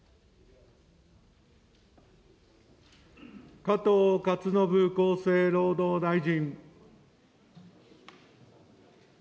加藤勝信厚生労働大臣。